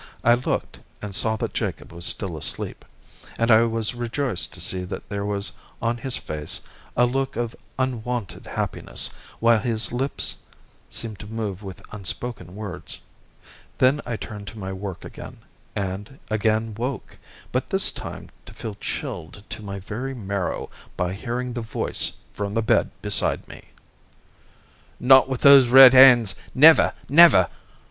I looked and saw that Jacob was still asleep, and I was rejoiced to see that there was on his face a look of unwonted happiness, while his lips seemed to move with unspoken words. Then I turned to my work again, and again woke, but this time to feel chilled to my very marrow by hearing the voice from the bed beside me: "Not with those red hands! Never! never!"